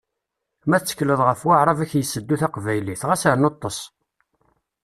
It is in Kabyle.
Ma tettekleḍ ɣef Waɛrab ad k-yesseddu taqbaylit, ɣas rnu ṭṭes!